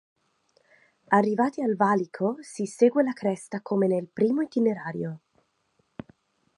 Arrivati al valico si segue la cresta come nel primo itinerario.